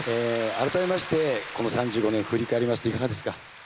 改めましてこの３５年振り返りましていかがですか？